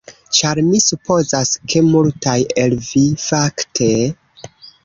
Ĉar, mi supozas ke multaj el vi, fakte...